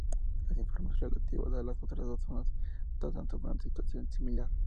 Los informes relativos a las otras dos zonas tratan sobre una situación similar.